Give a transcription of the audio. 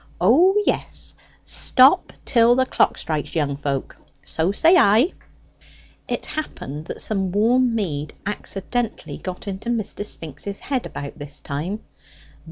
O yes; stop till the clock strikes, young folk so say I." It happened that some warm mead accidentally got into Mr. Spinks's head about this time.